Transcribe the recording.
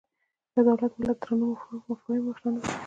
له دولت ملت مډرنو مفاهیمو اشنا نه وو